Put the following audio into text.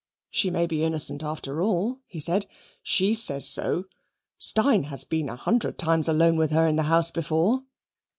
"She may be innocent, after all," he said. "She says so. Steyne has been a hundred times alone with her in the house before."